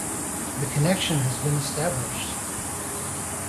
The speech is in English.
The connection has been established.